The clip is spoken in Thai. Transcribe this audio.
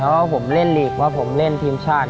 เพราะว่าผมเล่นลีกว่าผมเล่นทีมชาติ